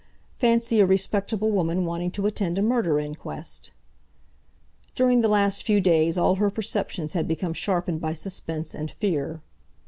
Fancy a respectable woman wanting to attend a murder inquest! During the last few days all her perceptions had become sharpened by suspense and fear.